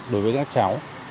đối với các cháu